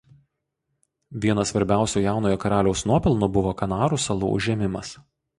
Vienas svarbiausių jaunojo karaliaus nuopelnų buvo Kanarų salų užėmimas.